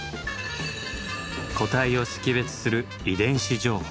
個体を識別する遺伝子情報。